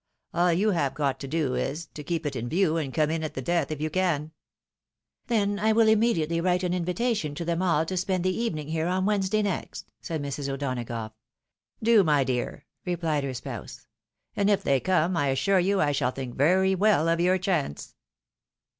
All you have got to do is, to keep it in view, and come in at the death if you can." " Then I will immediately write an invitation to them all to spend the evening here on Wednesday next," said Mrs. O'Dona gough. " Do, my dear," replied her spouse :" and if they come, I assure you I shall think very well of your chance."